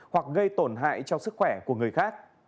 hoặc gây tổn hại cho sức khỏe của người khác